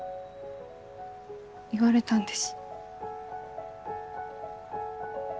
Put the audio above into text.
言われたんです。